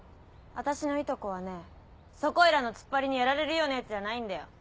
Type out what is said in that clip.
私のいとこはねそこいらのつっぱりにやられるようなヤツじゃないんだよ。